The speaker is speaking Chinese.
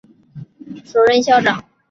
方解吾担任该学堂的首任校长。